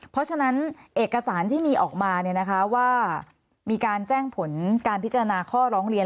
เพราะฉะนั้นเอกสารที่มีออกมาว่ามีการแจ้งผลการพิจารณาข้อร้องเรียน